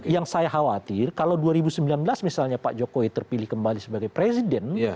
yang saya khawatir kalau dua ribu sembilan belas misalnya pak jokowi terpilih kembali sebagai presiden